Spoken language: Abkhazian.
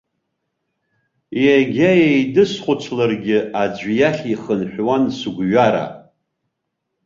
Егьа еидысхәыцларгьы аӡәы иахь ихынҳәуан сыгәҩара.